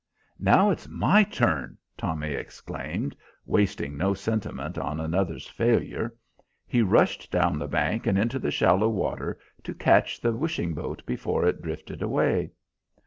"Now it's my turn," Tommy exclaimed, wasting no sentiment on another's failure. He rushed down the bank and into the shallow water to catch the wishing boat before it drifted away.